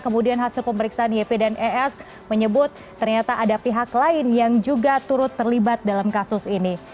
kemudian hasil pemeriksaan yp dan es menyebut ternyata ada pihak lain yang juga turut terlibat dalam kasus ini